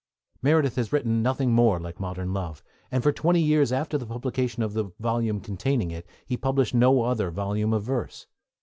Meredith has written nothing more like Modern Love, and for twenty years after the publication of the volume containing it he published no other volume of verse.